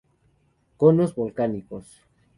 Conos volcánicos.